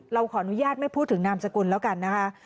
เราขออนุญาตไม่พูดถึงนามสกุลแล้วกันนะคะ